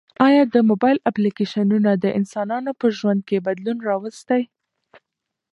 ایا د موبایل اپلیکیشنونه د انسانانو په ژوند کې بدلون راوستی؟